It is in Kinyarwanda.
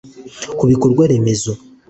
Ku bikorwa remezo